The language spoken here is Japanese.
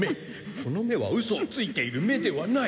この目はウソをついている目ではない。